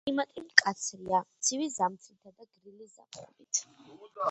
კლიმატი მკაცრია, ცივი ზამთრითა და გრილი ზაფხულით.